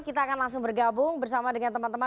kita akan langsung bergabung bersama dengan teman teman